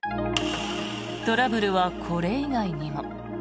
トラブルはこれ以外にも。